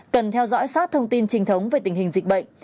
cần theo dõi sát thông tin trình thống về tình hình dịch bệnh